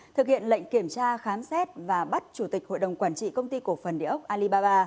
thực hiện lệnh kiểm tra khám xét và bắt chủ tịch hội đồng quản trị công ty cổ phần địa ốc alibaba